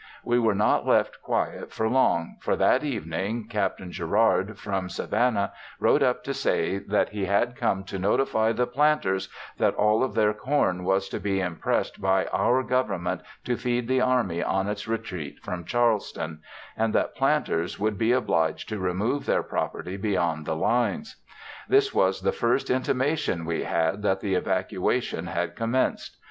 We were not left quiet for long, for that evening Capt. Guerard, from Savannah, rode up to say that he had come to notify the planters that all of their corn was to be impressed by our government to feed the army on its retreat from Charleston, and that planters would be obliged to remove their property beyond the lines. This was the first intimation we had that the evacuation had commenced.